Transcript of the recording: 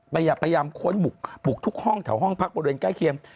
พยายามค้นบุกทุกห้องแถวห้องพักบริเวณใกล้เคียง